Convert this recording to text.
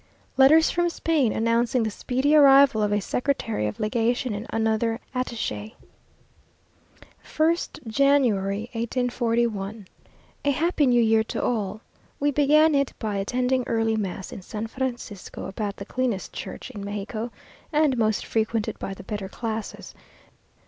Letters from Spain, announcing the speedy arrival of a Secretary of Legation and another attache. 1st January, 1841. A happy New Year to all! We began it by attending early mass in San Francisco, about the cleanest church in Mexico, and most frequented by the better classes.